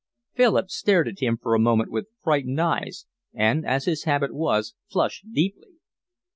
Philip stared at him for a moment with frightened eyes, and, as his habit was, flushed deeply.